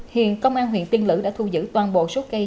hiện công an huyện tiên lữ đã thu giữ toàn bộ số cây